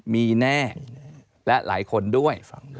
มีแน่และหลายคนด้วย